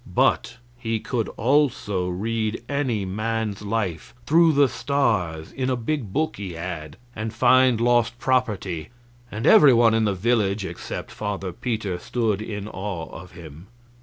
But he could also read any man's life through the stars in a big book he had, and find lost property, and every one in the village except Father Peter stood in awe of him.